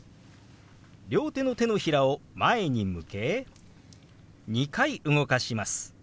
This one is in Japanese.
両手の手のひらを前に向け２回動かします。